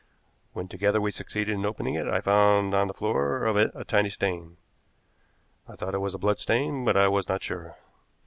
When together we succeeded in opening it I found on the floor of it a tiny stain. I thought it was a blood stain, but I was not sure.